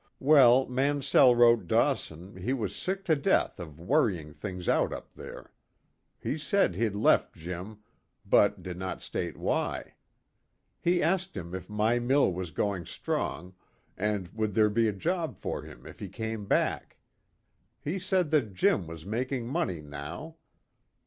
Well, Mansell wrote Dawson he was sick to death of worrying things out up there. He said he'd left Jim, but did not state why. He asked him if my mill was going strong, and would there be a job for him if he came back. He said that Jim was making money now.